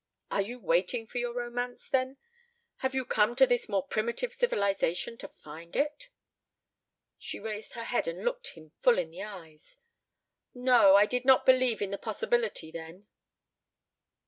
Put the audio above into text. "Are you waiting for your romance, then? Have you come to this more primitive civilization to find it?" She raised her head and looked him full in the eyes. "No, I did not believe in the possibility then."